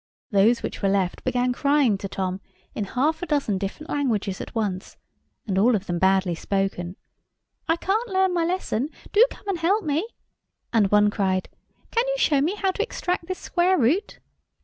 Those which were left began crying to Tom, in half a dozen different languages at once, and all of them badly spoken, "I can't learn my lesson; do come and help me!" And one cried, "Can you show me how to extract this square root?"